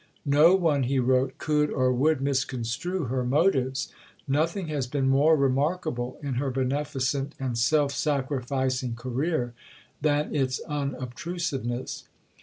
"No one," he wrote, "could or would misconstrue her motives. Nothing has been more remarkable in her beneficent and self sacrificing career than its unobtrusiveness.